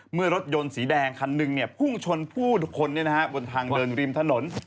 เมื่อรถยนต์สีแดงคันหนึ่งพุ่งชนผู้คนบนทางเดินริมถนน